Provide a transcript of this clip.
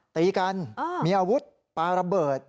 ตีกันมีอาวุธปลาระเบิด